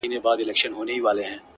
• په اور دي وسوځم؛ په اور مي مه سوځوه؛